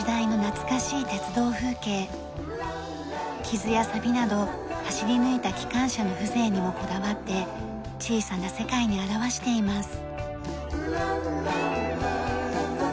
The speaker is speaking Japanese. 傷や錆びなど走り抜いた機関車の風情にもこだわって小さな世界に表しています。